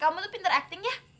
kamu tuh pinter actingnya